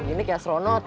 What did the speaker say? segini kayak seronot ya